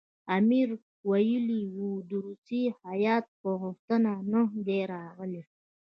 امیر ویلي وو د روسیې هیات په غوښتنه نه دی راغلی.